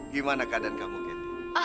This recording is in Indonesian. gimana keadaan kamu ken